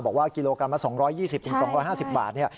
บอกว่ากิโลกรัมละ๒๒๐๒๕๐บาท